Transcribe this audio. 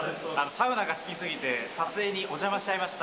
サウナが好きすぎて、撮影にお邪魔しちゃいました。